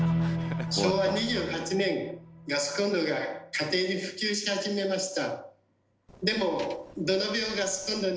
昭和２８年ガスコンロが家庭に普及し始めました。